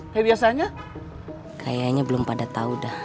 kayaknya belum pada tau dah